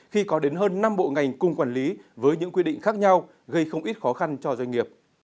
khi có đến hơn năm bộ ngành cùng quản lý với những quy định khác nhau gây không ít khó khăn cho doanh nghiệp